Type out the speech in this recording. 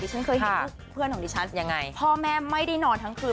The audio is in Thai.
ฉันเคยเห็นเพื่อนของดิฉันยังไงพ่อแม่ไม่ได้นอนทั้งคืน